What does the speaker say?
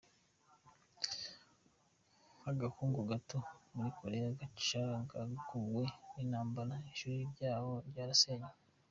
Nk’agahungu gato muri Korea yacagaguwe n’intambara, ishuri ryanjye ryarasenywe.